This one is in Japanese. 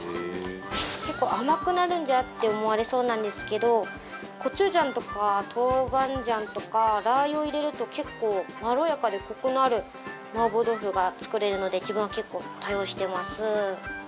結構甘くなるんじゃ？って思われそうなんですけどコチュジャンとか豆板醤とかラー油を入れると結構まろやかでコクのある麻婆豆腐が作れるので自分は結構多用してます。